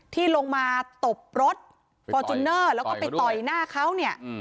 ที่ลงมาตบรถฟอร์จูเนอร์แล้วก็ไปต่อยหน้าเขาเนี่ย